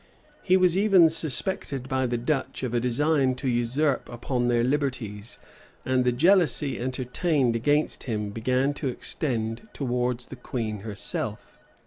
He was even suspected by the Dutch of a design to usurp upon their liberties; and the jealousy entertained against him began to extend towards the queen herself.